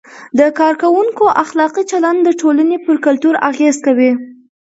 د کارکوونکو اخلاقي چلند د ټولنې پر کلتور اغیز کوي.